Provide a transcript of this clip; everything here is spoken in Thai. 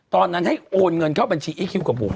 ตอนนั้นให้โอนเงินเข้าบัญชีอีคิวกับบุ๋ม